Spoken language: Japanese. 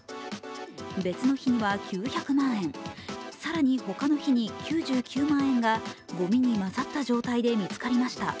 別の日には９００万円、更にほかの日に９９万円がごみに混ざった状態で見つかりました。